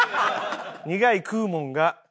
「苦い食うもんが」。